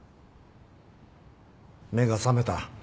目が覚めた。